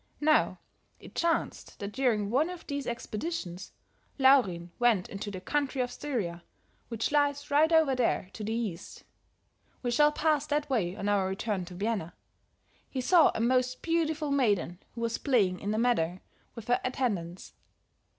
Now, it chanced that during one of these expeditions, Laurin went into the country of Styria, which lies right over there to the east. We shall pass that way on our return to Vienna. He saw a most beautiful maiden who was playing in a meadow with her attendants.